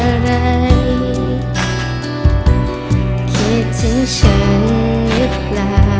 อะไรคิดถึงฉันหรือเปล่า